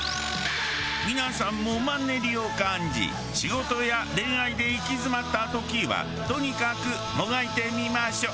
皆さんもマンネリを感じ仕事や恋愛で行き詰まった時はとにかくもがいてみましょう。